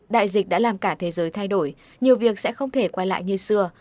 đại dịch đã làm cả thế giới thay đổi nhiều việc sẽ không thể quay lại như xưa